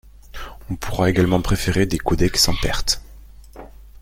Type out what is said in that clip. On pourra également préférer des codecs sans perte.